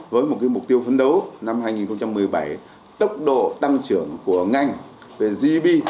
với một mục tiêu phấn đấu năm hai nghìn một mươi bảy tốc độ tăng trưởng của ngành về gb